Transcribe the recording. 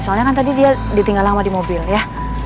soalnya kan tadi dia ditinggal lama di mobil ya